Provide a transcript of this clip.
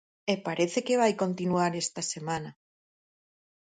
E parece que vai continuar esta semana.